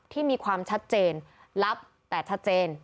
ที่มีความชัดเจนลับแต่ชัดเจน